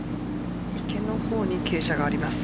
池の方に傾斜があります。